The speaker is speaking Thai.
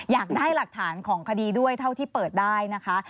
อยากได้หลักฐานของคดีด้วยเท่าที่เปิดได้นะคะ